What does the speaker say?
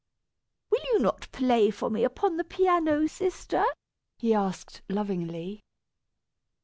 "Will you not play for me upon the piano, sister?" he asked lovingly.